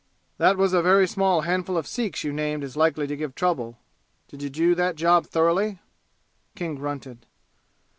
"That was a very small handful of Sikhs you named as likely to give trouble. Did you do that job thoroughly?" King grunted.